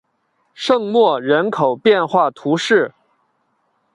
圣莫人口变化图示